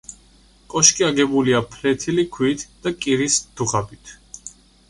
კოშკი აგებულია ფლეთილი ქვით და კირის დუღაბით.